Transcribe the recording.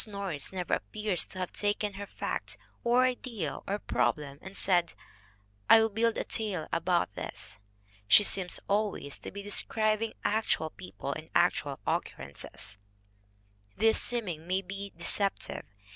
Norris never appears to have taken her fact or idea or problem and said, "I will build a tale about this." She seems always to be describing actual people and actual occurrences. This seeming may be de ceptive.